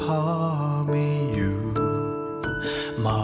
สวัสดีครับ